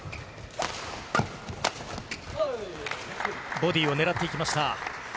ボディーを狙ってきました。